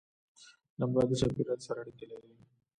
نبات د چاپيريال سره اړيکه لري